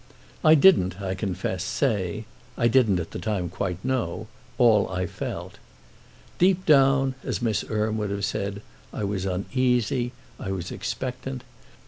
I didn't, I confess, say—I didn't at that time quite know—all I felt. Deep down, as Miss Erme would have said, I was uneasy, I was expectant.